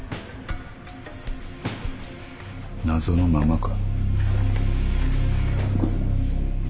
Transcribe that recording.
謎のままか。